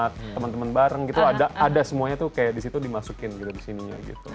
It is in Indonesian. ya party sama temen temen bareng gitu ada semuanya tuh kayak di situ dimasukin gitu di sininya gitu